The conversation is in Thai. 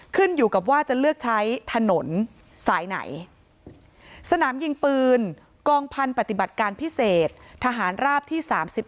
ขึ้นอยู่กับว่าจะเลือกใช้ถนนสายไหนสนามยิงปืนกองพันธุ์ปฏิบัติการพิเศษทหารราบที่๓๑